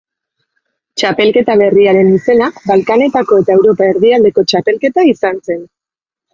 Txapelketa berriaren izena Balkanetako eta Europa Erdialdeko Txapelketa izan zen.